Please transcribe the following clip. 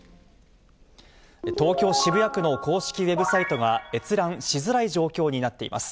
東京・渋谷区の公式ウェブサイトが閲覧しづらい状況になっています。